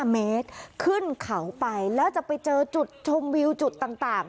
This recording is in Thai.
๕เมตรขึ้นเขาไปแล้วจะไปเจอจุดชมวิวจุดต่าง